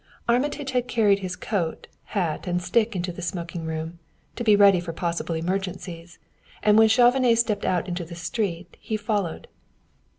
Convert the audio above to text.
Armitage had carried his coat, hat and stick into the smoking room, to be ready for possible emergencies; and when Chauvenet stepped out into the street he followed.